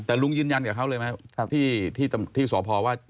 แต่ลุงยืนยันกับเขาเลยไหมที่สพว่า